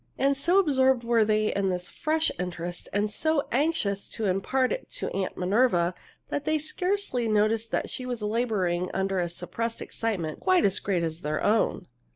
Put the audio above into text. And so absorbed were they in this fresh interest and so anxious to impart it to Aunt Minerva that they scarcely noticed she was laboring under a suppressed excitement quite as great as their own.